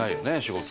仕事。